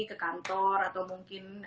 ke kantor atau mungkin